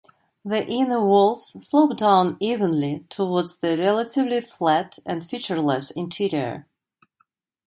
The inner walls slope down evenly towards the relatively flat and featureless interior.